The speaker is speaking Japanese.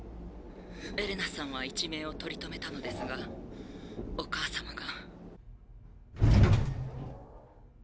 エレナさんは一命を取り留めたのですがお母様が。